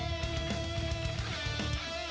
ปลอดภัยครับ